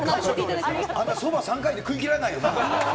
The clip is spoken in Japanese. そば３回で食い切らないよな。